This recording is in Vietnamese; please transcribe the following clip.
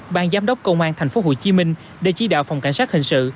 ban giám đốc công an tp hcm đã chỉ đạo phòng cảnh sát hình sự